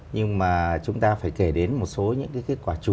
nhưng mà chúng ta phải kể đến một số những kết quả chủ yếu mà trong năm mươi năm qua